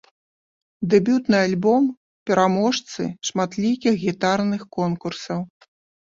Дэбютны альбом пераможцы шматлікіх гітарных конкурсаў.